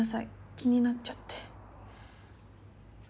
気になっちゃって。